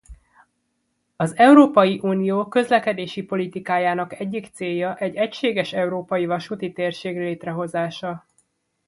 Az Európai Unió közlekedési politikájának egyik célja egy egységes európai vasúti térség létrehozása.